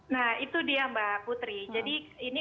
nah itu dia mbak putri jadi ini